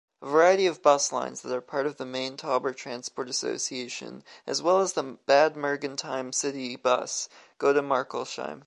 A variety of bus lines that are part of the Main-Tauber transport association as well as the Bad Mergentheim city bus go to Markelsheim.